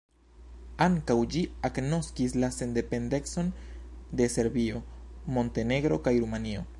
Ankaŭ ĝi agnoskis la sendependecon de Serbio, Montenegro kaj Rumanio.